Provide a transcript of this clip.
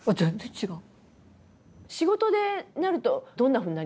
違う！